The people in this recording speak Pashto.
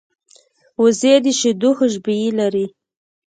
وزې د شیدو خوشبويي لري